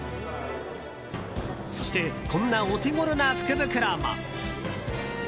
そして、こんなお手ごろな福袋も。